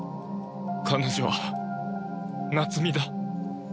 彼女は夏美だ